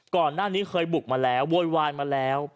ก่อนหน้านี้เคยบุกมาแล้วโวยวายมาแล้ว